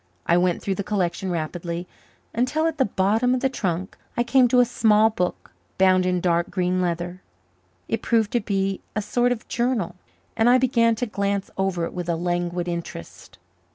I went through the collection rapidly, until at the bottom of the trunk, I came to a small book bound in dark green leather. It proved to be a sort of journal, and I began to glance over it with a languid interest.